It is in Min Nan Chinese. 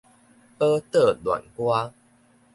寶島戀歌